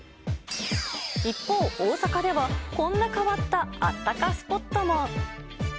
一方、大阪では、こんな変わったあったかスポットも。